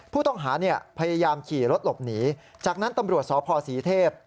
ผู้ต้องหาเนี่ยพยายามขี่รถหลบหนีจากนั้นตำรวจสพศรีเทพ